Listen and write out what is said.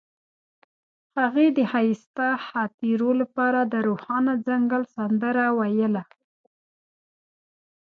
هغې د ښایسته خاطرو لپاره د روښانه ځنګل سندره ویله.